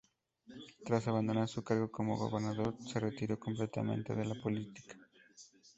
Tras abandonar su cargo como gobernador, se retiró completamente de la política.